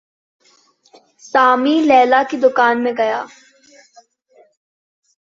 सामी Layla के दुकान में गया।